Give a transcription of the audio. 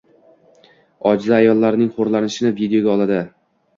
Ojiza ayollarning xo‘rlanishini videoga oladi.